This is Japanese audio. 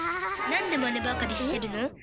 なんでマネばかりしてるの？